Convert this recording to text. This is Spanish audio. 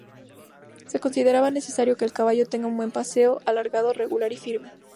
Se considera necesario que el caballo tenga un buen paso, alargado, regular, y firme.